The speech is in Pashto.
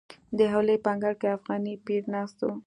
د حویلۍ په انګړ کې افغاني پیر ناست و.